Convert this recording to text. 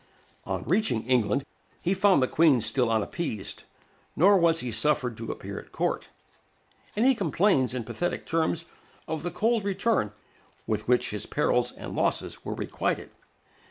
On reaching England, he found the Queen still unappeased; nor was he suffered to appear at court, and he complains in pathetic terms of the cold return with which his perils and losses were requited.